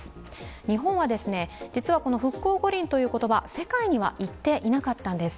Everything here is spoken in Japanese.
日本は実は「復興五輪」という言葉、世界には言っていなかったんです。